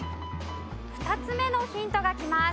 ２つ目のヒントがきます。